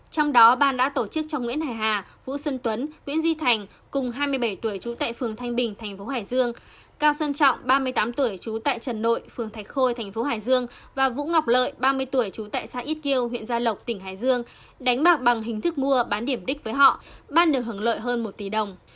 trong đó ban đã tổ chức cho nguyễn hải hà vũ xuân tuấn nguyễn duy thành cùng hai mươi bảy tuổi trú tại phường thanh bình thành phố hải dương cao xuân trọng ba mươi tám tuổi trú tại trần nội phường thạch khôi thành phố hải dương và vũ ngọc lợi ba mươi tuổi trú tại xã ít kiêu huyện gia lộc tỉnh hải dương đánh bạc bằng hình thức mua bán điểm đích với họ ban được hưởng lợi hơn một tỷ đồng